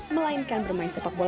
melainkan bermain sepak bola